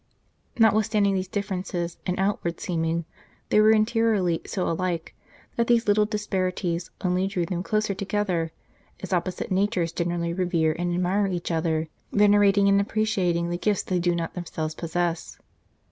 Notwithstanding these differ ences in outward seeming, they were interiorily so alike that these little disparities only drew them closer together, as opposite natures generally revere and admire each other, venerating and appreciating the gifts they do not themselves possess.